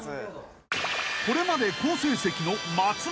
［これまで好成績の］